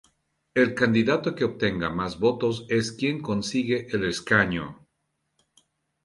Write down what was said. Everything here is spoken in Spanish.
El candidato que obtenga más votos es quien consigue el escaño.